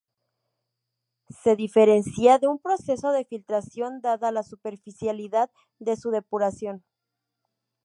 Se diferencia de un proceso de filtración dada la superficialidad de su depuración.